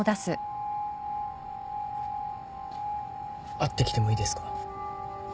・会ってきてもいいですか？